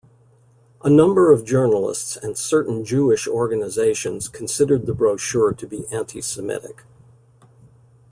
A number of journalists and certain Jewish organizations considered the brochure to be anti-Semitic.